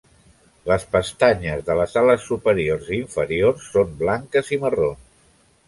Les pestanyes de les ales superiors i inferiors són blanques i marrons.